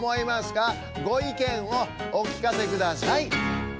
ごいけんをおきかせください。